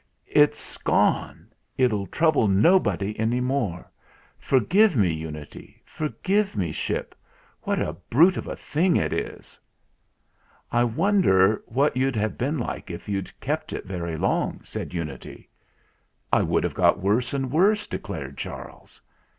"It's gone! It'll trouble nobody any more. For give me, Unity. Forgive me, Ship! What a brute of a thing it is !" "I wonder what you'd have been like if you'd kept it very long ?" said Unity. "I should have got worse and worse," de clared Charles.